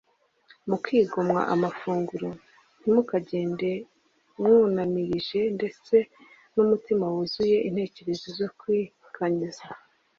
mu kwigomwa amafunguro, ntimukagende mwunamirije ndetse n’umutima wuzuye intekerezo zo kwikanyiza